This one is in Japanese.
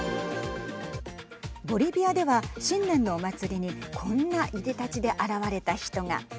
ボリビアでは新年のお祭りにこんな、いでたちで現れた人が。